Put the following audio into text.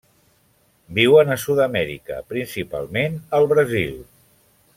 Viuen a Sud-amèrica, principalment al Brasil.